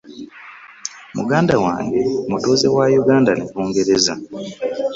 Muganda wange mutuuze wa Uganda ne Bungereza.